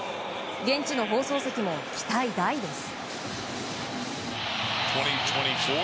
現地の放送席も期待大です。